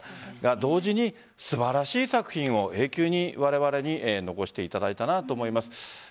同時に素晴らしい作品を永久にわれわれに残していただいたなと思います。